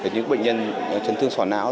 những bệnh nhân chân thương sỏ não